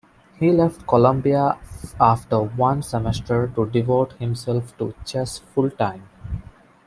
He left Columbia after one semester to devote himself to chess full-time.